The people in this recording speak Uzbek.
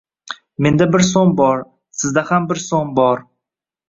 Menda bir so’m bor. Sizda ham bir so’m bor.